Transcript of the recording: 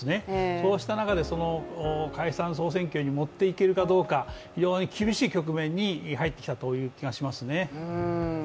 そうした中で、解散総選挙に持っていけるかどうか非常に厳しい局面に入ってきたという感じがしますね。